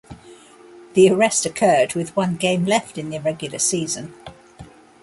The arrest occurred with one game left in the regular season.